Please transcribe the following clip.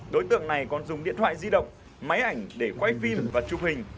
đối tượng này còn dùng điện thoại di động máy ảnh để quay phim và chụp hình